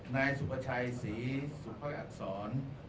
นายสุประชัยศรีสุภักดิ์อักษร